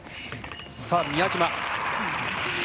さあ、宮嶋。